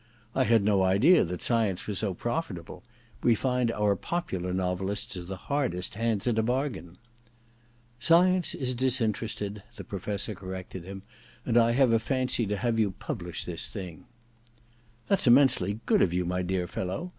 *I had no idea that science was so profitable ; we find our popular novelists are the hardest hands at a bargain/ * Science is disinterested,* the Professor cor rected him. * And I have a fancy to have you publish this thing/ * That's immensely good of you, my dear fellow.